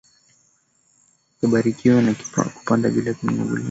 Kubarikiwa ni kupana bila kunungunika